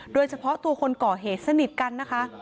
โดยเฉพาะตัวคนก่อเหตุสนิทกันนะคะ